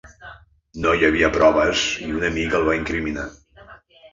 No hi havia proves i un amic el va incriminar.